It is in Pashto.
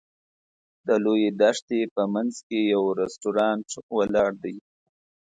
د لویې دښتې په منځ کې یو رسټورانټ ولاړ دی.